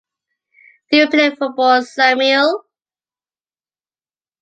Do you play football, Samuel?